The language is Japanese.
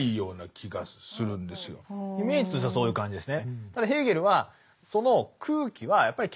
イメージとしてはそういう感じですね。